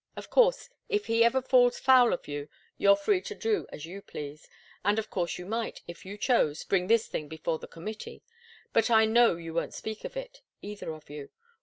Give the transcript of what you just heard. Of course, if he ever falls foul of you, you're free to do as you please, and of course you might, if you chose, bring this thing before the committee. But I know you won't speak of it either of you.